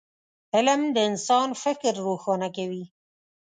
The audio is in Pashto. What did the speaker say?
علم د انسان فکر روښانه کوي